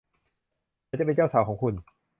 ฉันจะเป็นเจ้าสาวของคุณ